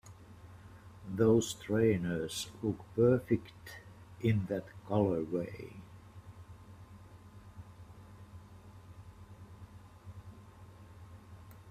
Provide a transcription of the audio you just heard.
Those trainers look perfect in that colorway!